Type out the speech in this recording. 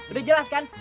udah jelas kan